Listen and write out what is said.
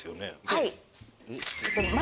はい。